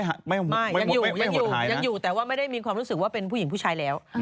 ยังอยู่ยังอยู่ยังอยู่แต่ว่าไม่ได้มีความรู้สึกว่าเป็นผู้หญิงผู้ชายแล้ว